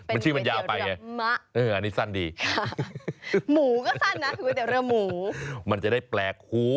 มะหมู